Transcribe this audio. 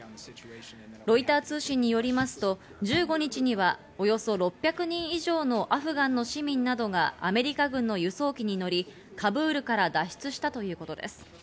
ロイター通信によりますと、１５日にはおよそ６００人以上のアフガンの市民などがアメリカ軍の輸送機に乗り、カブールから脱出したということです。